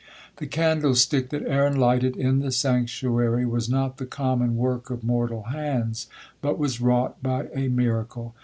The candlestick that Aaron lighted in the sanctuary, was not the common work of mortal hands, but was wrought by a miracle.